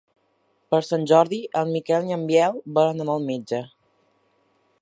Per Sant Jordi en Miquel i en Biel volen anar al metge.